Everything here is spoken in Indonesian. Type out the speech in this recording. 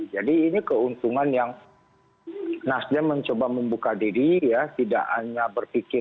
jadi ini keuntungan yang nasdem mencoba membuka diri ya tidak hanya berpikir